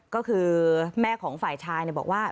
ก็คือแม่ของฝ่ายชายบอกว่า